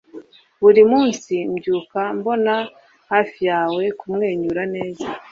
buri munsi mbyuka mbona hafi yawe kumwenyura neza